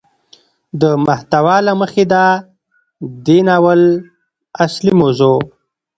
د محتوا له مخې ده دې ناول اصلي موضوع